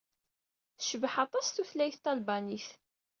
Tecbeḥ aṭas tutlayt talbanit.